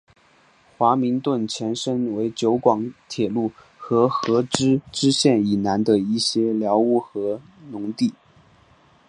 华明邨前身为九广铁路和合石支线以南的一些寮屋和农地。